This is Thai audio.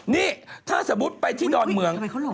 นี่ถ้าสมมุติไปที่ดอนเมือง